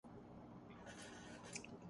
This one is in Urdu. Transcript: بنائے جاتے ہیں